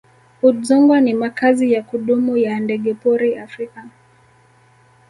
udzungwa ni makazi ya kudumu ya ndegepori africa